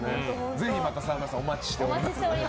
ぜひまた沢村さんお待ちしております。